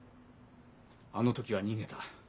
あの時は逃げた。